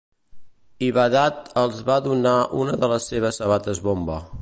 I Badat els va donar una de les seves sabates bomba.